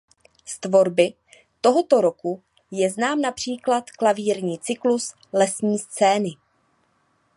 Z tvorby tohoto roku je znám například klavírní cyklus "Lesní scény".